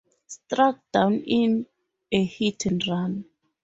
Struck down in a hit and run.